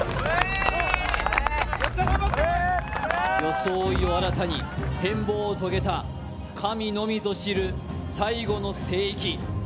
装いを新たに変貌を遂げた神のみぞ知る最後の聖域。